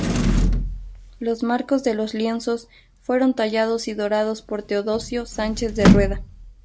Los marcos de los lienzos fueron tallados y dorados por Teodosio Sánchez de Rueda.